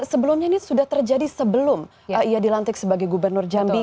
sebelumnya ini sudah terjadi sebelum ia dilantik sebagai gubernur jambi